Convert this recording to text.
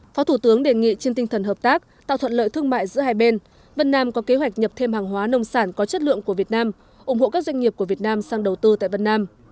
phó thủ tướng đề nghị trên tinh thần hợp tác tạo thuận lợi thương mại giữa hai bên vân nam có kế hoạch nhập thêm hàng hóa nông sản có chất lượng của việt nam ủng hộ các doanh nghiệp của việt nam sang đầu tư tại vân nam